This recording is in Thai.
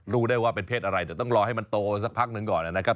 รู้ได้ว่าเป็นเพศอะไรแต่ต้องรอให้มันโตสักพักหนึ่งก่อนนะครับ